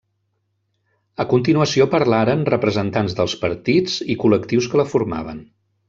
A continuació parlaren representants dels partits i col·lectius que la formaven.